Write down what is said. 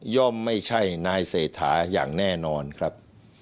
ย่อมไม่ใช่นายเสถาอย่างแน่นอนครับ